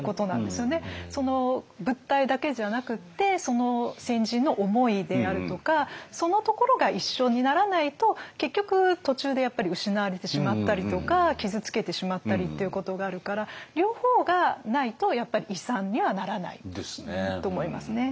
その物体だけじゃなくてその先人の思いであるとかそのところが一緒にならないと結局途中でやっぱり失われてしまったりとか傷つけてしまったりっていうことがあるから両方がないとやっぱり遺産にはならないと思いますね。